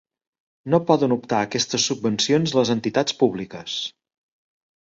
No poden optar a aquestes subvencions les entitats públiques.